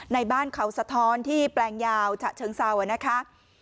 ในบ้านเขาสะท้อนที่แปลงยาวฉะเชิงเซานะคะ